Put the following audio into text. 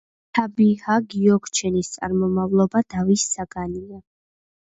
საბიჰა გიოქჩენის წარმომავლობა დავის საგანია.